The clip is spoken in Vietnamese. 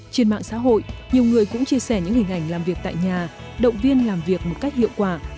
trên mạng xã hội nhiều người cũng chia sẻ những hình ảnh làm việc tại nhà động viên làm việc một cách hiệu quả